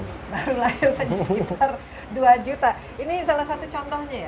baru lahir saja sekitar dua juta ini salah satu contohnya ya